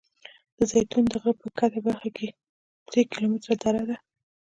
د زیتون د غره په ښکته برخه کې درې کیلومتره دره ده.